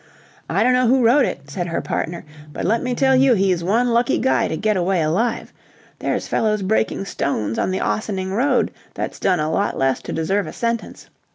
"I don't know who wrote it," said her partner, "but let me tell you he's one lucky guy to get away alive. There's fellows breaking stones on the Ossining Road that's done a lot less to deserve a sentence.